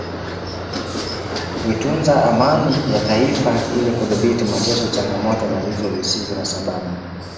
kuitunza amani ya Taifa ili kudhibiti mateso changamoto na vifo visivyo na sababu